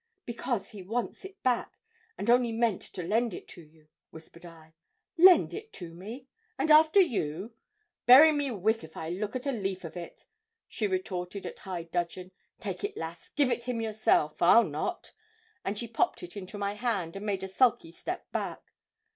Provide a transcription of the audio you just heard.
'Because he wants it back, and only meant to lend it to you,' whispered I. 'Lend it to me and after you! Bury me wick if I look at a leaf of it,' she retorted in high dudgeon. 'Take it, lass; give it him yourself I'll not,' and she popped it into my hand, and made a sulky step back.